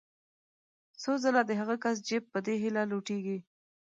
څو ځله د هغه کس جېب په دې هیله لوټېږي.